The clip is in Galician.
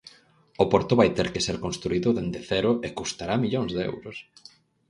O porto vai ter que ser construído dende cero e custará millóns de euros.